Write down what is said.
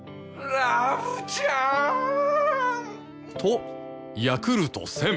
ん！とヤクルト１０００！